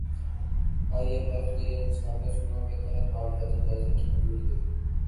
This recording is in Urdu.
ائی ایم ایف نے اسلامی اصولوں کے تحت مالیاتی جائزے کی منظوری دے دی